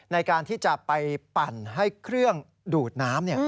ในการที่จะไปปั่นให้เครื่องดูดน้ำ